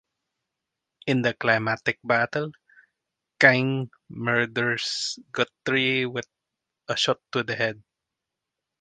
In the climatic battle, Kang murders Guthrie with a shot to the head.